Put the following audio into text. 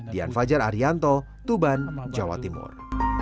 dian fajar arianto tuban jawa timur